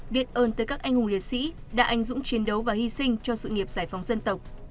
biết ơn tới các anh hùng liệt sĩ đã anh dũng chiến đấu và hy sinh cho sự nghiệp giải phóng dân tộc